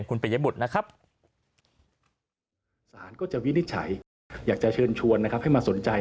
อยากจะเชิญชวนให้มาสนใจ